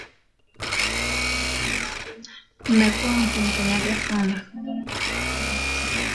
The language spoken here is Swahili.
Mmekuwa mkinikanganya sana